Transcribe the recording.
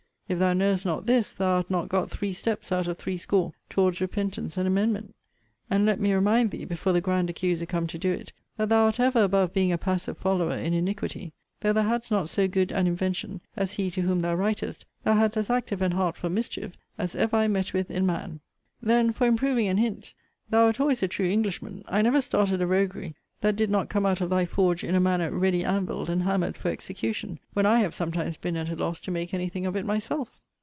If thou knowest not this, thou art not got three steps (out of threescore) towards repentance and amendment. And let me remind thee, before the grand accuser come to do it, that thou wert ever above being a passive follower in iniquity. Though thou hadst not so good an invention as he to whom thou writest, thou hadst as active an heart for mischief, as ever I met with in man. Then for improving an hint, thou wert always a true Englishman. I never started a roguery, that did not come out of thy forge in a manner ready anvilled and hammered for execution, when I have sometimes been at a loss to make any thing of it myself.